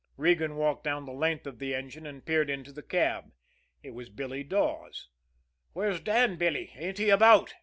Regan walked down the length of the engine, and peered into the cab. It was Billy Dawes. "Where's Dan, Billy? Ain't he about?"